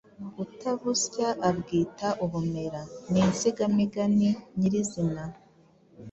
Utabusya abwita ubumera” ni insigamugani nyirizina.